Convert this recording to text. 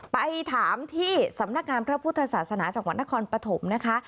ไปถามที่สำนักงานพระพุทธศาสนาจังหวัดนครปฐมนะคะ